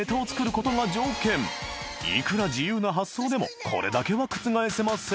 ［いくら自由な発想でもこれだけは覆せません］